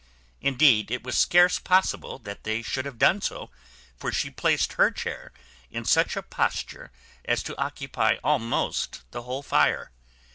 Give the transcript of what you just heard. Indeed, it was scarce possible they should have done so, for she placed her chair in such a posture as to occupy almost the whole fire.